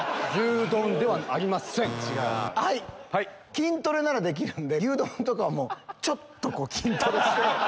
筋トレならできるんで牛丼とかちょっと筋トレして。